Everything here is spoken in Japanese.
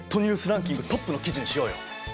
ランキングトップの記事にしようよ！